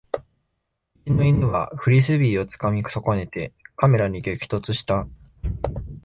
うちの犬はフリスビーをつかみ損ねてカメラに激突した